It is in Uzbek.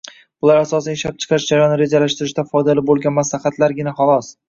Bular, asosan, ishlab chiqarish jarayonini rejalashtirishda foydali bo‘lgan maslahatlargina, xolos.